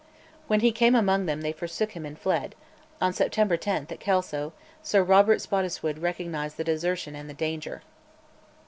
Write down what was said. When he came among them they forsook him and fled; on September 10, at Kelso, Sir Robert Spottiswoode recognised the desertion and the danger.